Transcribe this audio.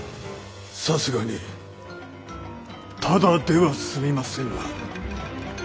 さすがにただでは済みませぬな。